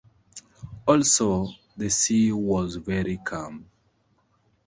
Also, the sea was very calm.